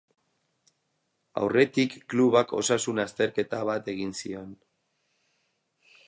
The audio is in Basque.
Aurretik klubak osasun azterketa bat egin zion.